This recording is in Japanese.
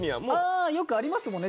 あよくありますもんね